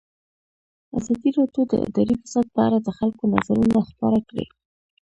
ازادي راډیو د اداري فساد په اړه د خلکو نظرونه خپاره کړي.